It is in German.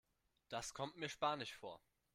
Das kommt mir spanisch vor.